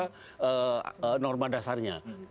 itu adalah norma dasarnya